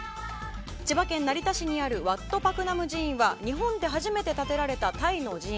千葉県成田市にあるワットパクナム寺院は日本で初めて建てられたタイの寺院。